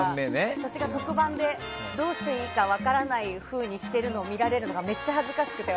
私が特番でどうしていいか分からないふうにしてるのを見られるのがめっちゃ恥ずかしくて。